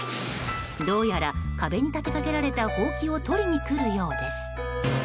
どうやら壁に立てかけられたほうきを取りにくるようです。